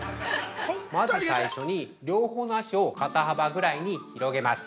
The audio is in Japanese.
まず最初に、両方の足を肩幅ぐらいに広げます。